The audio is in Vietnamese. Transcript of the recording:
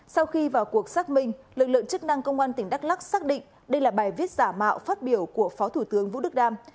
sau khi vào cuộc xác minh lực lượng chức năng công an tỉnh đắk lắc xác định đây là bài viết giả mạo phát biểu của phó thủ tướng vũ đức đam